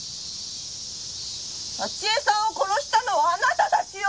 沙知絵さんを殺したのはあなたたちよ！